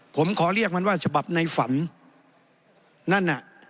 ผมขอเรียกมันว่าฉบับในฝันนั่นน่ะ